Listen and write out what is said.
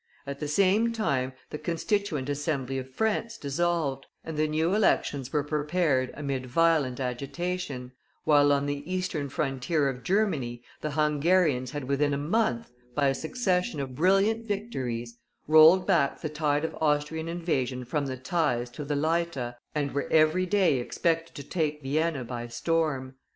At the same time the Constituent Assembly of France dissolved, and the new elections were prepared amid violent agitation, while on the eastern frontier of Germany, the Hungarians had within a month, by a succession of brilliant victories, rolled back the tide of Austrian invasion from the Theiss to the Leitha, and were every day expected to take Vienna by storm.